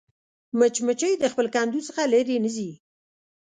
مچمچۍ د خپل کندو څخه لیرې نه ځي